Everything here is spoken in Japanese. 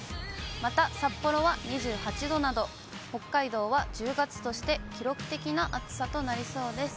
また札幌は２８度など、北海道は１０月として記録的な暑さとなりそうです。